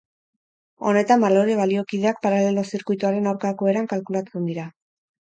Honetan balore baliokideak paralelo-zirkuitoaren aurkako eran kalkulatzen dira.